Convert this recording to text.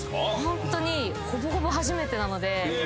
ホントにほぼほぼ初めてなので。